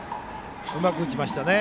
うまく打ちましたね。